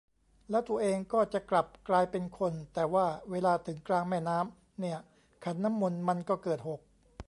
แล้วตัวเองก็จะกลับกลายเป็นคน แต่ว่าเวลาถึงกลางแม่น้ำเนี่ยขันน้ำมนต์มันก็เกิดหก